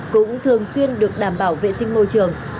cũng thường xuyên được đảm bảo vệ sinh môi trường